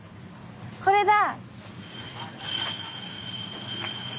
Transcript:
これだ！